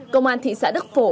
công an thị xã đức phổ